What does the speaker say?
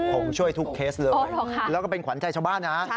ผมช่วยทุกเคสเลยแล้วก็เป็นขวัญใจชาวบ้านนะ